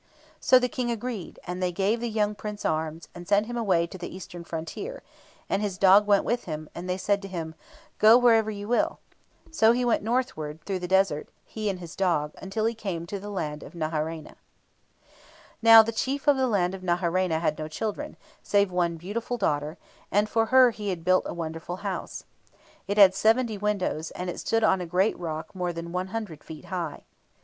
So the King agreed, and they gave the young Prince arms, and sent him away to the eastern frontier, and his dog went with him, and they said to him, "Go wherever you will." So he went northward through the desert, he and his dog, until he came to the land of Naharaina. [Illustration: Plate 10 STATUES OF KING AMENHOTEP III.] Now, the chief of the land of Naharaina had no children, save one beautiful daughter, and for her he had built a wonderful house. It had seventy windows, and it stood on a great rock more than 100 feet high.